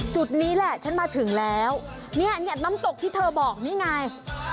จุดนี้แหละฉันมาถึงแล้วเนี่ยน้ำตกที่เธอบอกนี่ไง